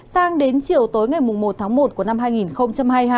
sang đến chiều tối ngày một tháng một của năm hai nghìn hai mươi hai